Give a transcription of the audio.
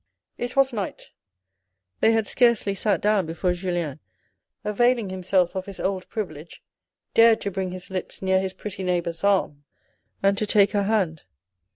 It was night, They had scarcely sat down before Julien, availing himself of his old privilege, dared to bring his lips near his pretty neighbour's arm, and to take her hand.